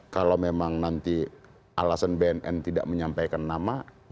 kalau memang nanti alasan bnn tidak menyampaikan nama